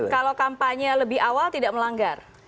kalau kampanye lebih awal tidak melanggar